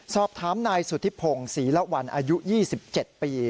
สอบถามนายสุธิพงศ์ศรีละวันอายุ๒๗ปี